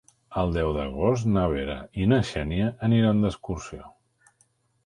El deu d'agost na Vera i na Xènia aniran d'excursió.